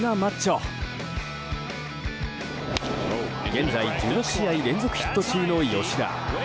現在１６試合連続ヒット中の吉田。